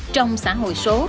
trong xã hội số